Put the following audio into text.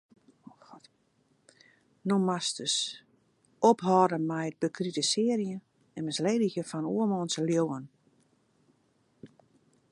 No moatst ek ris ophâlde mei it bekritisearjen en misledigjen fan oarmans leauwen.